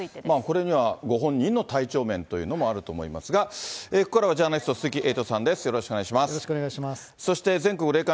これにはご本人の体調面というのもあると思いますが、ここからは、ジャーナリスト、鈴木エイトさんです。